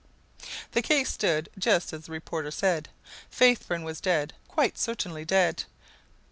The case stood just as the reporter said. Faithburn was dead, quite certainly dead!